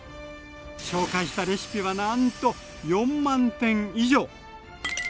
紹介したレシピはなんと４万点以上！